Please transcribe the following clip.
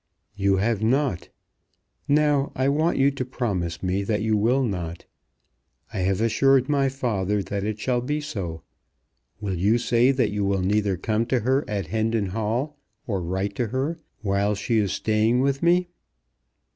"You have not. Now I want you to promise me that you will not. I have assured my father that it shall be so. Will you say that you will neither come to her at Hendon Hall, or write to her, while she is staying with me?"